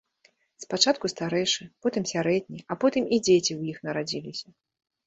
Спачатку старэйшы, потым сярэдні, а потым і дзеці ў іх нарадзіліся.